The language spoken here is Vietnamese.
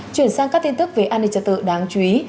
chuyển sang các tin tức về an ninh trật tự đáng chú ý